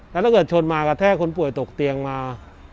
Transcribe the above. แล้วถ้าเกิดชนมากระแทกคนป่วยตกเตียงมา